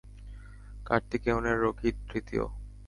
কার্তিকেয়নের Rocky তৃতীয়!